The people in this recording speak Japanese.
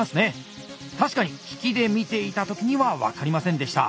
確かに引きで見ていた時には分かりませんでした。